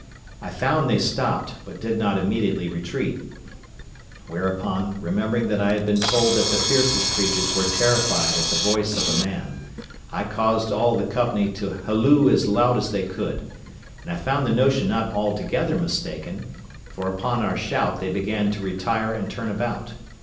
I found they stopped, but did not immediately retreat; whereupon, remembering that I had been told that the fiercest creatures were terrified at the voice of a man, I caused all the company to halloo as loud as they could; and I found the notion not altogether mistaken; for upon our shout they began to retire and turn about.